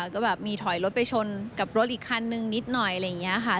ก็แบบมีถอยรถไปชนกับรถอีกคันนึงนิดหน่อยอะไรอย่างนี้ค่ะ